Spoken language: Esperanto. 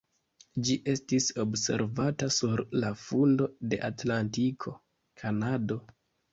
Ĝi estis observata sur la fundo de Atlantiko (Kanado).